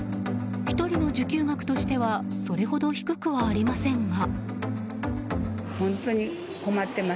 １人の受給額としてはそれほど低くはありませんが。